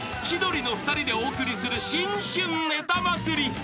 ［千鳥の２人でお送りする新春ネタ祭り］